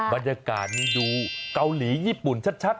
บรรยากาศนี้ดูเกาหลีญี่ปุ่นชัด